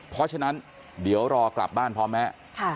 เพราะฉะนั้นเดี๋ยวรอกลับบ้านพ่อแม่